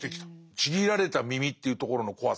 ちぎられた耳というところの怖さ。